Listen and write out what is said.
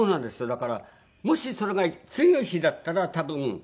だからもしそれが次の日だったら多分。